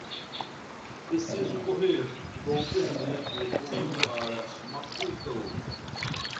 Preciso correr, vou perder meu voo para Maputo.